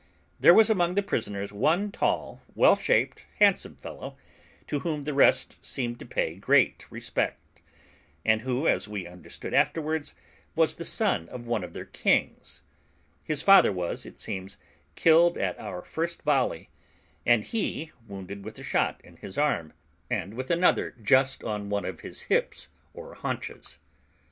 There was among the prisoners one tall, well shaped, handsome fellow, to whom the rest seemed to pay great respect, and who, as we understood afterwards, was the son of one of their kings; his father was, it seems, killed at our first volley, and he wounded with a shot in his arm, and with another just on one of his hips or haunches.